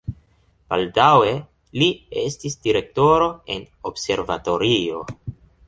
Baldaŭe li estis direktoro en observatorio.